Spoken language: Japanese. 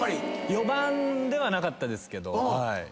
４番ではなかったですけど。